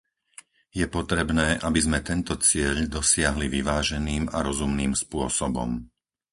Je potrebné, aby sme tento cieľ dosiahli vyváženým a rozumným spôsobom.